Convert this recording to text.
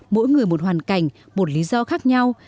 mỗi người một hoàn cảnh một lý do khác nhau